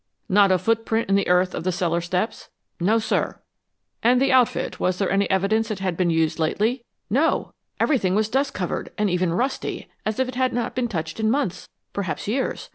"Not a foot print in the earth of the cellar steps?" "No, sir." "And the outfit was there any evidence it had been used lately?" "No everything was dust covered, and even rusty, as if it had not even been touched in months, perhaps years.